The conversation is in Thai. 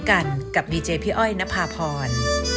กันกับดีเจพี่อ้อยนภาพร